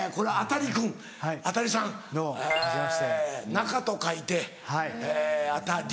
中と書いて「あたり」。